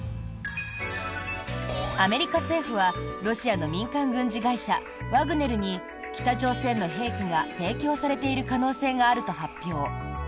アメリカ政府はロシアの民間軍事会社ワグネルに北朝鮮の兵器が提供されている可能性があると発表。